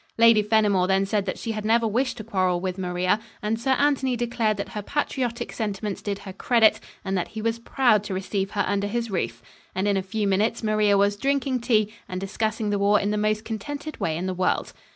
Lady Fenimore then said that she had never wished to quarrel with Maria, and Sir Anthony declared that her patriotic sentiments did her credit, and that he was proud to receive her under his roof, and in a few minutes Maria was drinking tea and discussing the war in the most contented way in the world.